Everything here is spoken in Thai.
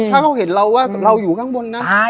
ถ้าเขาเห็นเราว่าเราอยู่ข้างบนนะ